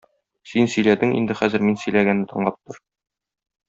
Син сөйләдең, инде хәзер мин сөйләгәнне тыңлап тор.